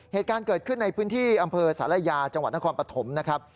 เหตุการณ์เกิดขึ้นในพื้นที่อำเภอศาลายาจังหวัดนครปฐมนะครับ